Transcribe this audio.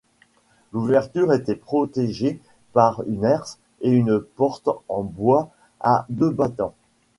L'ouverture était protégée par une herse et une porte en bois à deux battants.